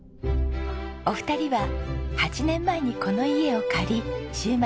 お二人は８年前にこの家を借り週末に通ってＤＩＹ。